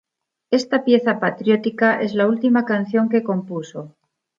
Esta pieza patriótica es la última canción que compuso.